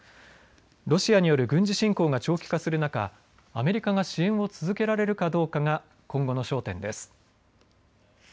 ロシアによる軍事侵攻が長期化する中、アメリカが支援を続けられるかどうかが今後の焦点です。